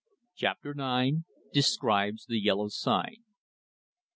CHAPTER IX. DESCRIBES THE YELLOW SIGN.